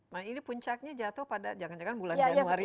nah ini puncaknya jatuh pada jangan jangan bulan januari